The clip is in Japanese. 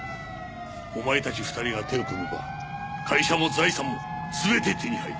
お前たち２人が手を組めば会社も財産も全て手に入る。